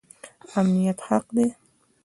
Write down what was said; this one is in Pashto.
امنیت حق دی